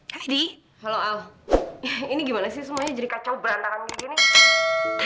hai di halo al ini gimana sih semuanya jadi kacau banget